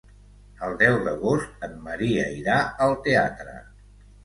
El deu d'agost en Maria irà al teatre.